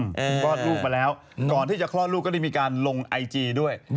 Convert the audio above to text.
คุณคลอดลูกมาแล้วก่อนที่จะคลอดลูกก็ได้มีการลงไอจีด้วย